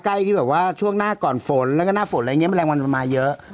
ที่แบบว่าช่วงหน้าก่อนฝนแล้วก็หน้าฝนอะไรอย่างนี้แมลงวันมันมาเยอะ